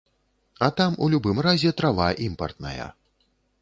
А там у любым разе трава імпартная.